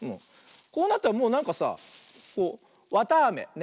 こうなったらもうなんかさこうわたあめ。ね。